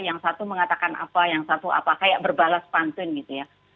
yang satu mengatakan apa yang satu apa kayak berbalas pantun gitu ya